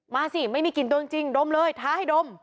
สิไม่มีกลิ่นตัวจริงดมเลยท้าให้ดม